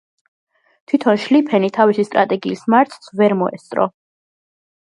თვითონ შლიფენი თავისი სტრატეგიის მარცხს ვერ მოესწრო.